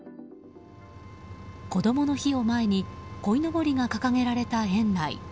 こどもの日を前にこいのぼりが掲げられた園内。